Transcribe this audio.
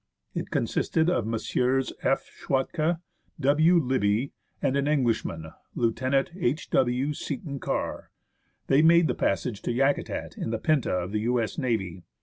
It consisted of Messrs. F. Schwatka, W. Libbey, and an Englishman, Lieut. H. W. Seton Karr. They made the passage to Yakutat in the PzVi!/(2 of the U.S. Navy.